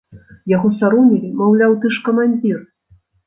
Яго саромілі, маўляў, ты ж камандзір!